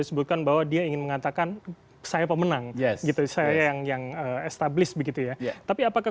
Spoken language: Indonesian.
disebutkan bahwa dia ingin mengatakan saya pemenang gitu saya yang yang established begitu ya tapi apakah